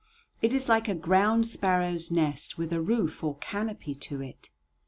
It is like a ground sparrow's nest with a roof or canopy to it.